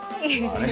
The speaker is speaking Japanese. あれ？